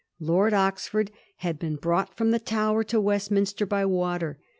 Lord Oxford had been brought fix)m the Tower to Westminster by water.